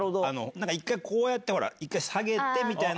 一回こうやって下げてみたいな。